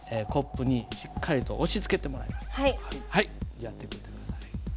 じゃあやってみて下さい。